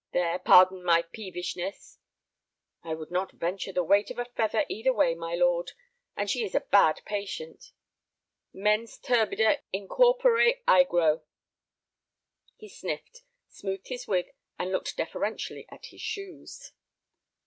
There, pardon my peevishness—" "I would not venture the weight of a feather either way, my lord. And she is a bad patient, mens turbida in corpore ægro." He sniffed, smoothed his wig, and looked deferentially at his shoes.